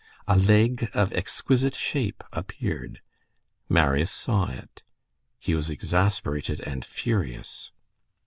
A leg of exquisite shape appeared. Marius saw it. He was exasperated and furious.